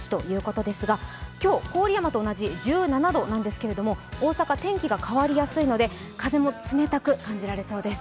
今日、郡山と同じ１７度なんですけれども、大阪は天気が変わりやすいので、風も冷たく感じられそうです。